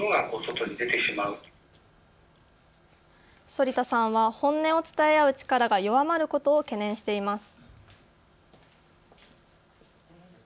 反田さんは本音を伝え合う力が弱まることを懸念しています。